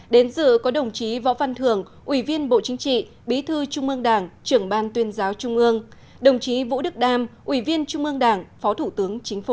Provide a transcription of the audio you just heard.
đến dự có đồng chí võ văn thường ủy viên bộ chính trị bí thư trung ương đảng trưởng ban tuyên giáo trung ương đồng chí vũ đức đam ủy viên trung ương đảng phó thủ tướng chính phủ